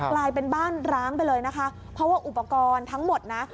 กลายเป็นบ้านร้างไปเลยนะคะเพราะว่าอุปกรณ์ทั้งหมดนะ